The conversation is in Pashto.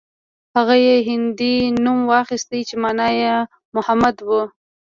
هغه يې هندي نوم واخيست چې مانا يې محمد و.